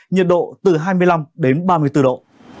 nhiệt độ từ hai mươi năm đến ba mươi bốn độ